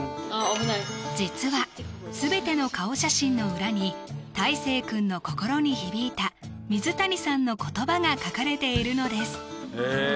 実は全ての顔写真の裏にたいせい君の心に響いた水谷さんの言葉が書かれているのです